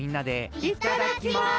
いただきます！